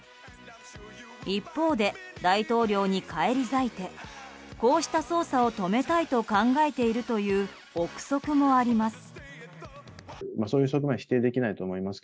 一方で、大統領に返り咲いてこうした捜査を止めたいと考えているという憶測もあります。